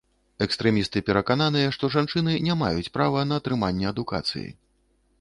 Экстрэмісты перакананыя, што жанчыны не маюць права на атрыманне адукацыі.